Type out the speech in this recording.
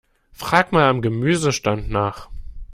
Frag mal am Gemüsestand nach.